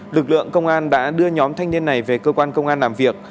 lực lượng công an đã đưa nhóm thanh niên này về cơ quan công an làm việc